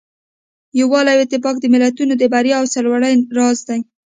یووالی او اتفاق د ملتونو د بریا او سرلوړۍ راز دی.